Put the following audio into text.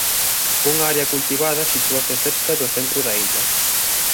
Unha área cultivada sitúase cerca do centro da illa.